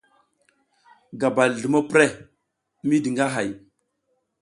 Gabal zlumo prəh, midi nga hay.